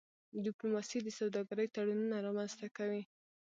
ډيپلوماسي د سوداګری تړونونه رامنځته کوي.